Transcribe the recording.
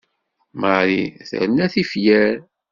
Marie terna tifyar.